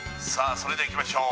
それではいきましょう